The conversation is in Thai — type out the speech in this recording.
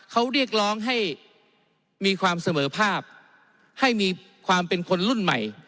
เขาเรียกร้องให้มีความเสมอภาพให้มีความเป็นคนรุ่นใหม่